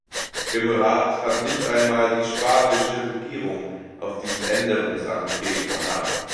Im Rat hat nicht einmal die spanische Regierung auf diesen Änderungsanträgen beharrt.